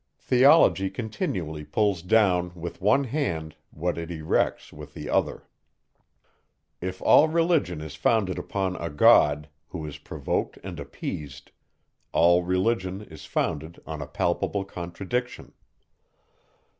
Theology continually pulls down, with one hand, what it erects with the other. If all religion is founded upon a God, who is provoked and appeased, all religion is founded on a palpable contradiction.